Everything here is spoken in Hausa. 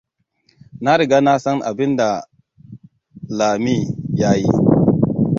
Na riga na san abin da Jami ya yi.